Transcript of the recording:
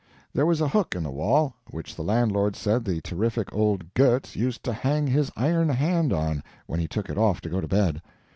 There was a hook in the wall, which the landlord said the terrific old Goetz used to hang his iron hand on when he took it off to go to bed.